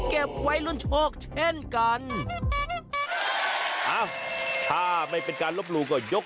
เก็บไว้ลุ้นโชคเช่นกัน